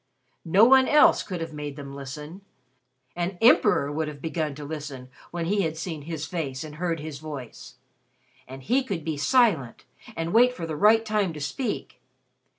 No one else could have made them listen. An emperor would have begun to listen when he had seen his face and heard his voice. And he could be silent, and wait for the right time to speak.